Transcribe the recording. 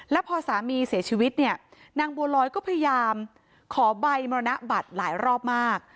แล้วพอสามีเสียชีวิตเนี่ยนางบัวลอยก็พยายามขอใบมรณบัตรหลายรอบมาก